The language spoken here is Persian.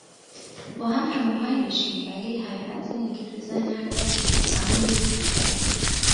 باهم هماهنگ بشیم ولی حقیقت اینه که توی ذهن هرکسی، زمان یه جوری میگذره